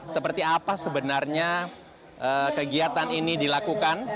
seperti apa sebenarnya kegiatan ini dilakukan